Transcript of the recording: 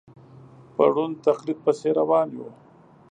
په ړوند تقلید پسې روان یو.